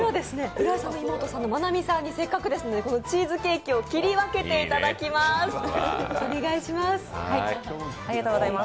村井さんの妹さんの麻奈美さんに、せっかくですので、チーズケーキを切り分けていただきます、お願いします。